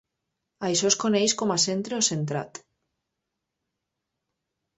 Això es coneix com a centre o centrat.